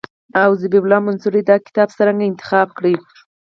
او ذبیح الله منصوري دا کتاب څرنګه انتخاب کړی.